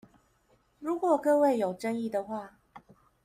如果各位有爭議的話